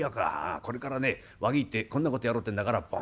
これからねワキ行ってこんな事やろうってんだからポン。